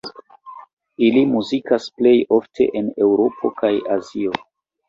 Ili muzikas plej ofte en Eŭropo kaj Azio.